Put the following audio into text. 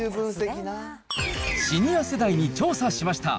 シニア世代に調査しました。